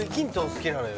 好きなのよ